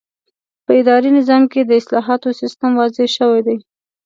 په اداري نظام کې د اصلاحاتو سیسټم واضح شوی دی.